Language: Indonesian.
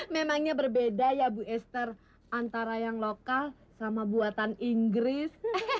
memangnya berbeda ya bu esther antara yang lokal sama buatan inggris